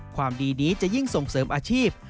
ความดีนี้จะยิ่งส่งเสริมอาชีพ